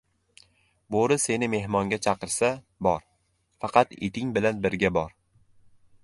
• Bo‘ri seni mehmonga chaqirsa — bor, faqat iting bilan birga bor.